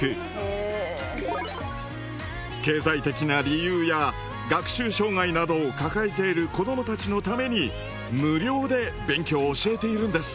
経済的な理由や学習障害などを抱えている子どもたちのために無料で勉強を教えているんです。